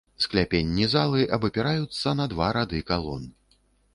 Скляпенні залы абапіраюцца на два рады калон.